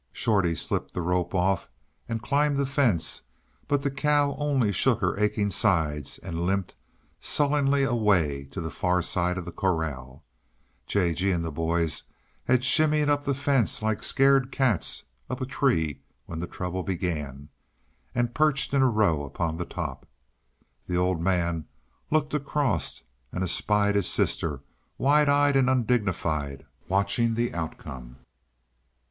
Shorty slipped the rope off and climbed the fence, but the cow only shook her aching sides and limped sullenly away to the far side of the corral. J. G. and the boys had shinned up the fence like scared cats up a tree when the trouble began, and perched in a row upon the top. The Old Man looked across and espied his sister, wide eyed and undignified, watching the outcome.